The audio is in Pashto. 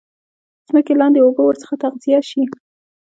ځمکې لاندي اوبه ورڅخه تغذیه شي.